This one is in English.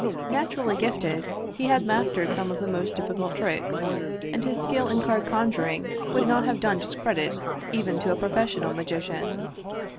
Naturally gifted, he had mas tered some of the most difficult tricks, and his skill in card conjuring would not have done discredit even to a pro fessional magician.